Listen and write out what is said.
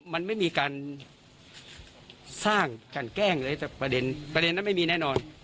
มันไม่มีการสร้างกันแกล้งเลยแต่ประเด็นประเด็นนั้นไม่มีแน่นอน